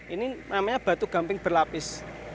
ini namanya batu gamping berlapis